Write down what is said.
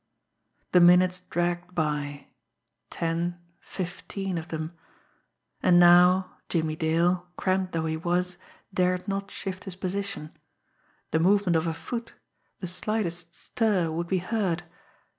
The minutes dragged by, ten, fifteen of them. And now Jimmie Dale, cramped though he was, dared not shift his position; the movement of a foot, the slightest stir would be heard.